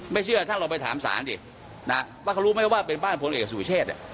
ไม่เชื่อถ้าเราไปถามสารว่าเขารู้ไหมว่าเป็นบ้านผมเองสุขีเชศ